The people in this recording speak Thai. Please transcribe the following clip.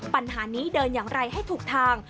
ปัญหานี้เดินอย่างไรให้ถูกทาง